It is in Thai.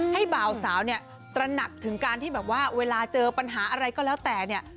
บ่าวสาวเนี่ยตระหนักถึงการที่แบบว่าเวลาเจอปัญหาอะไรก็แล้วแต่เนี่ย